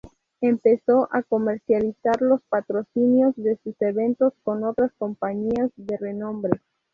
Empezó a comercializar los patrocinios de sus eventos con otras compañías de renombre.